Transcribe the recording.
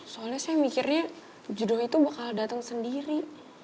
soalnya saya mikirnya judul itu bakal datang sendiri